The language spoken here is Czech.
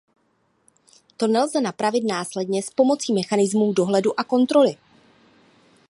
To nelze napravit následně s pomocí mechanismů dohledu a kontroly.